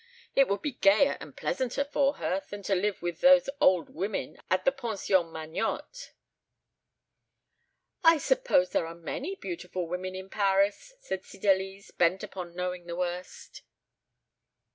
It would be gayer and pleasanter for her than to live with those old women at the Pension Magnotte." "I suppose there are many beautiful women in Paris?" said Cydalise, bent upon knowing the worst.